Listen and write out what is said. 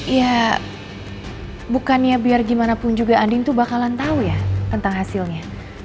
ya bukannya biar gimana pun juga andin tuh bakalan tahu ya tentang hasilnya